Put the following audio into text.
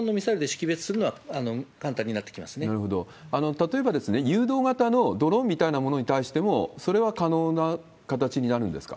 例えば、誘導型のドローンみたいなものに対しても、それは可能な形になるんですか？